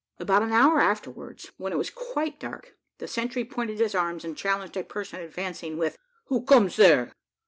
About an hour afterwards, when it was quite dark, the sentry pointed his arms and challenged a person advancing with, "Who comes there?"